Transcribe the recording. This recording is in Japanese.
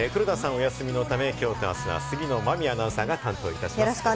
お休みのためきょうとあすは杉野真実アナウンサーが担当いたします。